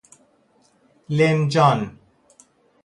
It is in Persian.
لنجان